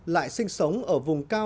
lại sinh sống ở vùng tây nguyên